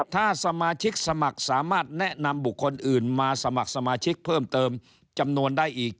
ถ้าสมาชิกสมัครสามารถแนะนำบุคคลอื่นมาสมัครสมาชิกเพิ่มเติมจำนวนได้อีก